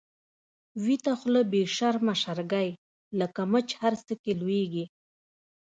ويته خوله بی شرمه شرګی، لکه مچ هر څه کی لويږی